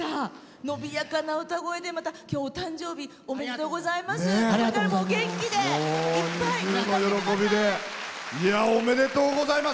伸びやかな歌声で、また今日、お誕生日おめでとうございます。